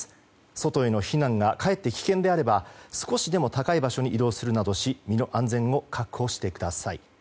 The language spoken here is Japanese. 外への避難がかえって危険であれば少しでも高い場所に移動するなどし身の安全を確保してください。